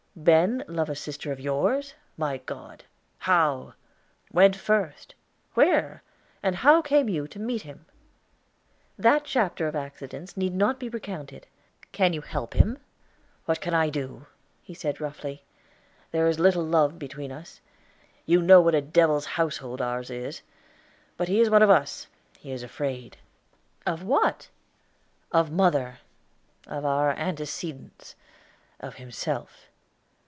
"Ben love a sister of yours? My God how? when first? where? And how came you to meet him?" "That chapter of accidents need not be recounted. Can you help him?" "What can I do?" he said roughly. "There is little love between us. You know what a devil's household ours is; but he is one of us he is afraid." "Of what?" "Of mother of our antecedents of himself."